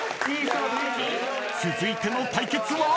［続いての対決は？］